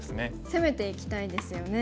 攻めていきたいですよね。